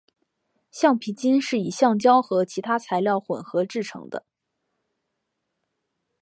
橡皮筋是以橡胶和其他材料混合制成的。